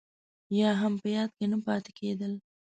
يا هم په ياد کې نه پاتې کېدل.